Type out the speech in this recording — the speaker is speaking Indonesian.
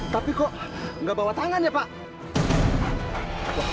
tapi kok gak bawa tangannya pak